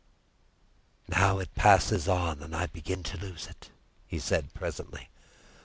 "Now it passes on and I begin to lose it," he said presently.